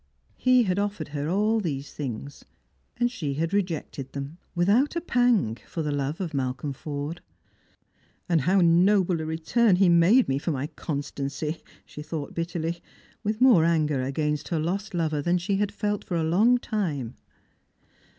He had offered her all these things, and she had rejected them, without a pang, for the love of Malcolm Forde. " Aiid how noble a return he made me for my constancy!" she thought bitterly, with more anger against her lost lover than flhe had felt for a long time.